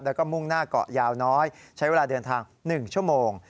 แล้วก็มุ่งหน้าเกาะยาวน้อยใช้เวลาเดินทาง๑ชั่วโมง